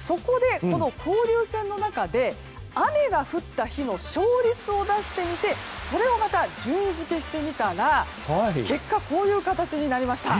そこで、この交流戦の中で雨が降った日の勝率を出してみてそれを順位付けしてみたら結果、こういう形になりました。